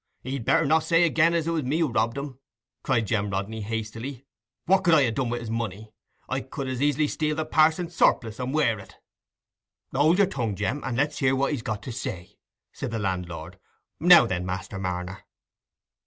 "He'd better not say again as it was me robbed him," cried Jem Rodney, hastily. "What could I ha' done with his money? I could as easy steal the parson's surplice, and wear it." "Hold your tongue, Jem, and let's hear what he's got to say," said the landlord. "Now then, Master Marner."